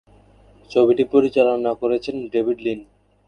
ছবিটি পরিচালনা করেছেন ডেভিড লিন।